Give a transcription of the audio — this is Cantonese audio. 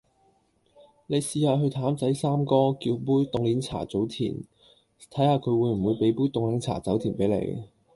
你試吓去譚仔三哥叫杯「凍鏈茶早田」睇吓佢會唔會俾杯凍檸茶走甜俾你